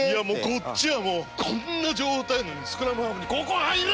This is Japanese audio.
こっちはもうこんな状態なのにスクラムハーフに「ここ入れ！」